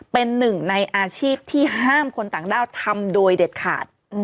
เป็นหนึ่งในอาชีพที่ห้ามคนต่างด้าวทำโดยเด็ดขาด